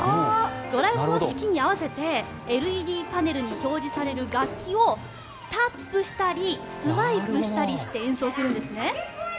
ドラえもんの指揮に合わせてＬＥＤパネルに表示される楽器をタップしたりスワイプしたりして演奏するんですね。